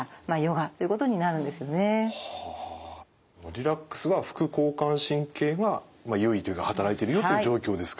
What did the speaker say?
リラックスは副交感神経が優位というか働いてるよっていう状況ですか。